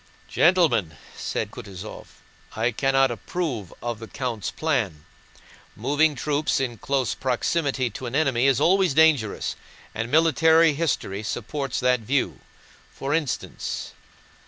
"Gentlemen," said Kutúzov, "I cannot approve of the count's plan. Moving troops in close proximity to an enemy is always dangerous, and military history supports that view. For instance..."